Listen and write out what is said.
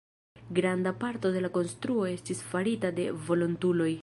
Granda parto de la konstruo estis farita de volontuloj.